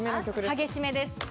激しめです。